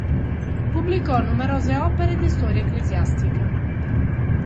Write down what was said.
Pubblicò numerose opere di storia ecclesiastica.